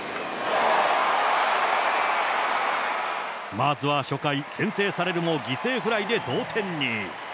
まずは初回、先制されるも、犠牲フライで同点に。